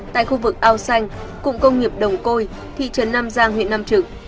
tại khu vực ao xanh cụng công nghiệp đồng côi thị trấn nam giang huyện nam trực